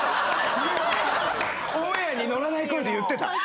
オンエアに乗らない声で言ってた。